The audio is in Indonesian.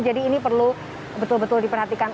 jadi ini perlu betul betul diperhatikan